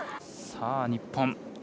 さあ日本。